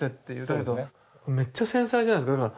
だけどめっちゃ繊細じゃないですか。